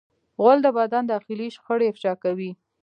غول د بدن داخلي شخړې افشا کوي.